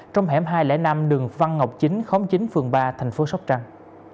trong hẻm hai trăm linh năm đường văn ngọc chính khóm chín phường ba thành phố sóc trăng